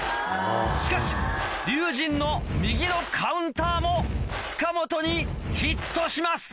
しかし龍心の右のカウンターも塚本にヒットします。